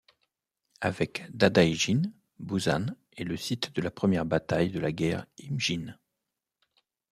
Avec Dadaejin, Busan est le site de la première bataille de la guerre Imjin.